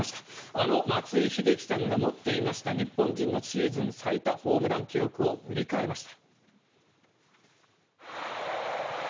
あの松井秀喜さんが持っていました日本人のシーズン最多ホームラン記録を塗り替えました。